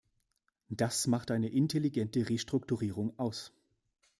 Das macht eine intelligente Restrukturierung aus.